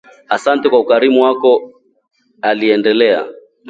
“Asante kwa ukarimu wako”, aliendelea